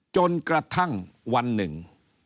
จนกระทั่งวันหนึ่ง